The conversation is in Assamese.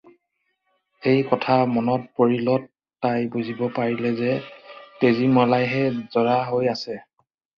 এই কথা মনত পৰিলত তাই বুজিব পাৰিলে যে তেজীমলাইহে জৰা হৈ আছে।